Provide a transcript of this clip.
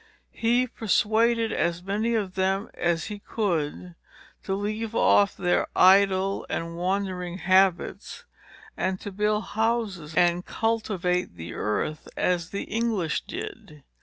He persuaded as many of them as he could, to leave off their idle and wandering habits, and to build houses, and cultivate the earth, as the English did.